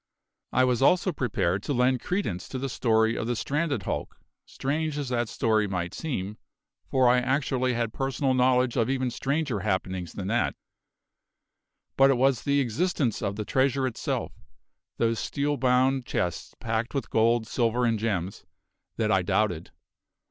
I was also prepared to lend credence to the story of the stranded hulk, strange as that story might seem, for I actually had personal knowledge of even stranger happenings than that; but it was the existence of the treasure itself those steel bound chests packed with gold, silver, and gems that I doubted.